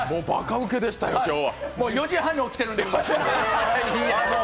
４時半に起きたんで。